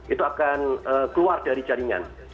itu akan keluar dari jaringan